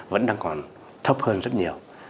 vẫn đang còn thấp hơn rất nhiều